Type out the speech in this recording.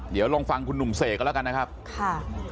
เดี๋ยวลองฟังคุณหนุ่มเสกกันแล้วกันนะครับค่ะ